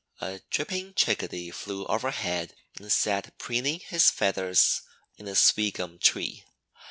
A dripping Chickadee flew overhead and sat preening his feathers in a sweetgum tree.